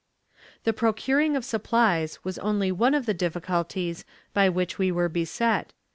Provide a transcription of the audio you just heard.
The procuring of supplies was only one of the difficulties by which we were beset.